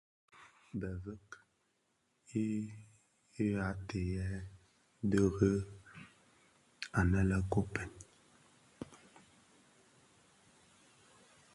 Bi veg i ateghèn diren aně le Koppen,